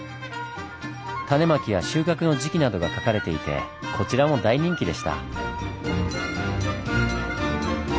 種まきや収穫の時期などが書かれていてこちらも大人気でした。